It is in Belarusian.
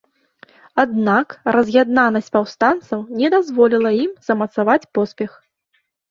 Аднак раз'яднанасць паўстанцаў не дазволіла ім замацаваць поспех.